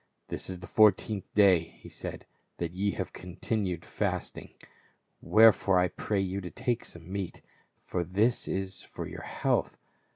"This is the fourteenth day," he said, "that ye have continued fasting. Wherefore I pray you to take some meat ; for this is for your health.